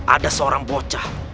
ada seorang bocah